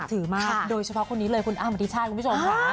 นับถือมากโดยเฉพาะคนนี้เลยคุณอ้าวมันทิชาคุณผู้ชมคะ